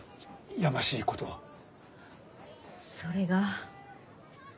やましいことは。それが。